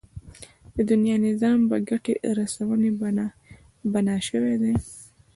د دنيا نظام په ګټې رسونې بنا شوی دی.